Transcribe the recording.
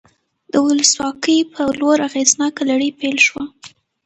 د ولسواکۍ په لور اغېزناکه لړۍ پیل شوه.